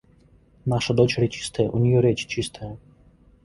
Наша дочь речистая, у нее речь чистая.